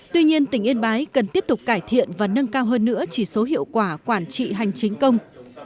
tuy nhiên tỉnh yên bái cần tiếp tục cải thiện và nâng cao hơn nữa chỉ số hiệu quả quản trị hành chính công